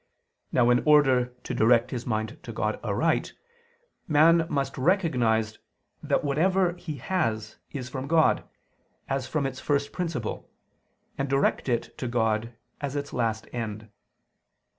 Now in order to direct his mind to God aright, man must recognize that whatever he has is from God as from its first principle, and direct it to God as its last end.